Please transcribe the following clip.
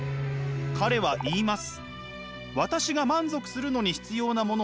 彼は言います。